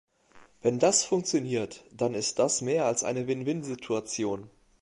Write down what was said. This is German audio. Wenn das funktioniert, dann ist das mehr als eine Win-Win-Situation.